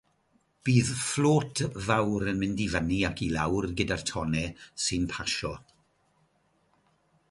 Bydd fflôt fawr yn mynd i fyny ac i lawr gyda'r tonnau sy'n pasio.